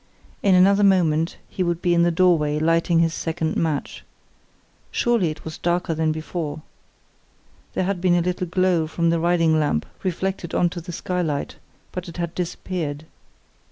In another moment he would be in the doorway lighting his second match. Surely it was darker than before? There had been a little glow from the riding lamp reflected on to the skylight, but it had disappeared.